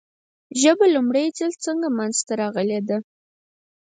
ژبه لومړی ځل څنګه منځ ته راغلې ده ؟